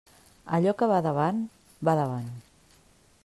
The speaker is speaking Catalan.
Allò que va davant, va davant.